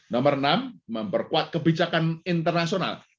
nomor enam memperkuat kebijakan internasional